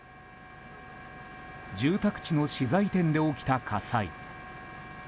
住宅地の資材店で起きた火災。